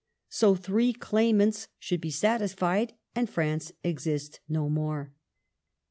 So three claimants should be satisfied, and France exist no more.